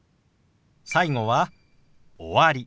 最後は「終わり」。